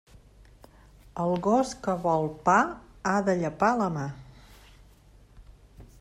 El gos que vol pa ha de llepar la mà.